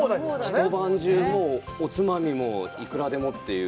一晩中、おつまみもいくらでもという。